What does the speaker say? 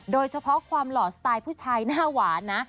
โดยเฉพาะความหล่อสไตล์ผู้ชายหน้าหวานนะ